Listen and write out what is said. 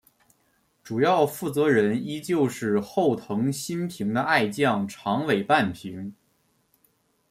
主要负责人依旧是后藤新平的爱将长尾半平。